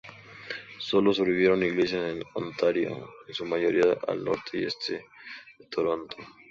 Solo sobrevivieron iglesias en Ontario, en su mayoría al norte y este de Toronto.